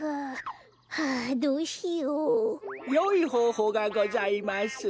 よいほうほうがございます。